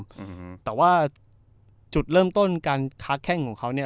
อืมแต่ว่าจุดเริ่มต้นการค้าแข้งของเขาเนี้ย